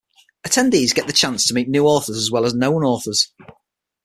Attendees get the chance to meet new authors as well as well known authors.